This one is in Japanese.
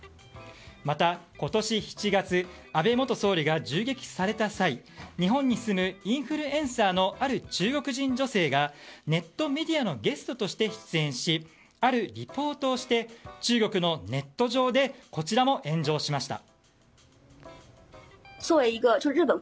また、今年７月安倍元総理が銃撃された際日本に住むインフルエンサーのある中国人女性がネットメディアのゲストとして出演しあるリポートをして中国のネット上でこちらも炎上しました。